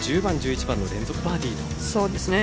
１０番１１番のバーディー。